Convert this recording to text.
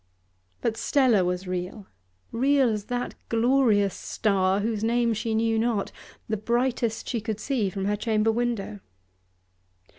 But Stella was real, real as that glorious star whose name she knew not, the brightest she could see from her chamber window.